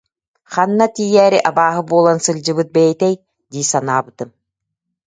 Ханна тиийээри абааһы буолан сылдьыбыт бэйэтэй» дии санаабытым